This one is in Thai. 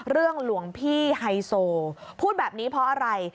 หลวงพี่ไฮโซพูดแบบนี้เพราะอะไร